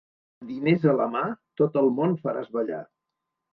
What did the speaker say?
Amb diners a la mà, tot el món faràs ballar.